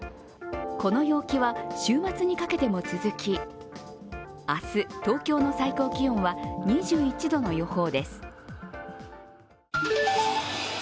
この陽気は週末にかけても続き明日、東京の最高気温は２１度の予報です。